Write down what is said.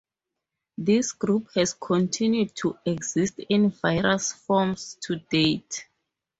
This group has continued to exist in various forms to date.